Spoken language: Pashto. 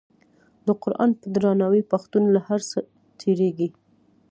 د قران په درناوي پښتون له هر څه تیریږي.